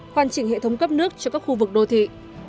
hoàn chỉnh hệ thống cấp nước cho các khu vực đô thị